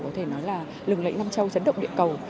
có thể nói là lừng lẫy nam châu chấn động địa cầu